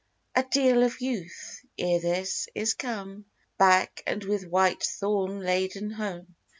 A deal of youth, ere this, is come Back, and with white thorn laden home.